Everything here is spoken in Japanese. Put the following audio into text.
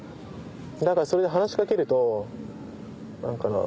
だからそれで話し掛けると何か。